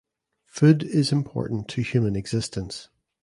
Food is important to human existence.